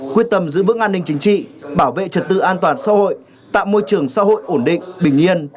quyết tâm giữ vững an ninh chính trị bảo vệ trật tự an toàn xã hội tạo môi trường xã hội ổn định bình yên